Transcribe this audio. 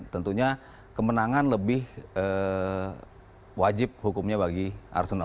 tentunya kemenangan lebih wajib hukumnya bagi arsenal